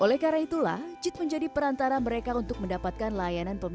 oleh karena itulah jit menjadi perantara mereka untuk mendapatkan permasalahan yang lebih besar